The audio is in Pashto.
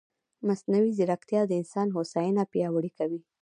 مصنوعي ځیرکتیا د انسان هوساینه پیاوړې کوي.